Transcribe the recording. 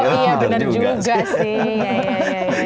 oh iya bener juga sih